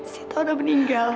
cita sudah meninggal